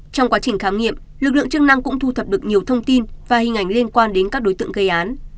trong quá trình khám nghiệm lực lượng chức năng cũng thu thập được nhiều thông tin và hình ảnh liên quan đến các đối tượng gây án